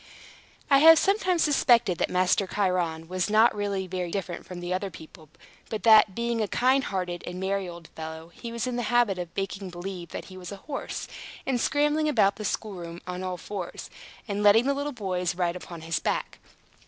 I have sometimes suspected that Master Chiron was not really very different from other people, but that, being a kind hearted and merry old fellow, he was in the habit of making believe that he was a horse, and scrambling about the schoolroom on all fours, and letting the little boys ride upon his back.